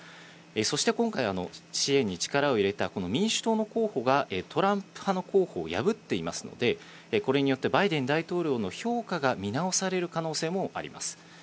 そして今回、支援に力を入れたこの民主党の候補がトランプ派の候補を破っていますので、これによってバイデン大統領の評価が見直される可能性もあります。